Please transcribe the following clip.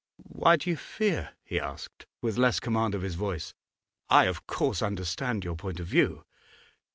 'Why do you fear?' he asked, with less command of his voice. 'I of course understand your point of view.